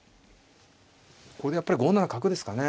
これでやっぱり５七角ですかね。